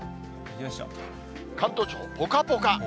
関東地方、ぽかぽか。